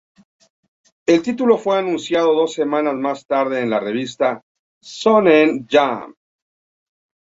El título fue anunciado dos semanas más tarde en la revista "Shonen Jump".